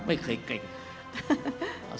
ฉบับวันที่๒๘ตุลาคมพุทธศักราช๒๕๖๐